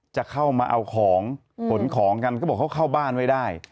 จะเข้ามาเอาของขนของกันก็บอกเขาเข้าบ้านไม่ได้